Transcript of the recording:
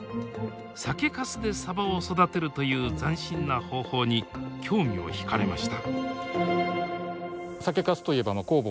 酒かすでサバを育てるという斬新な方法に興味を引かれました。